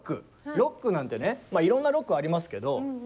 ロックなんてね、まあいろんなロックありますけど。